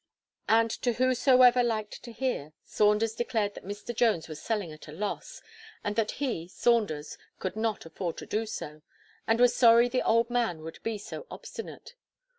And to whosoever liked to hear, Saunders declared that Mr. Jones was selling at loss, and that he (Saunders) could not afford to do so; and was sorry the old man would be so obstinate.